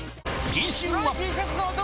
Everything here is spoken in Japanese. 次週は！